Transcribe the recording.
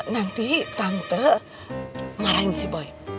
nanti tante marahin si boy